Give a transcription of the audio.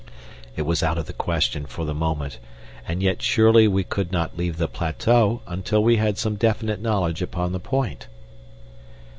It was out of the question for the moment, and yet surely we could not leave the plateau until we had some definite knowledge upon the point.